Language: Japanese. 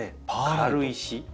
軽石。